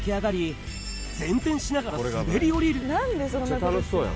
めっちゃ楽しそうやん。